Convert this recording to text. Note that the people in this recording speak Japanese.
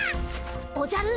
おじゃる。